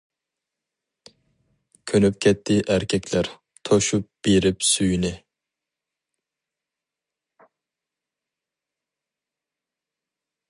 كۆنۈپ كەتتى ئەركەكلەر، توشۇپ بېرىپ سۈيىنى.